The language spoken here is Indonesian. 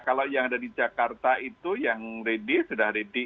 kalau yang ada di jakarta itu yang ready sudah ready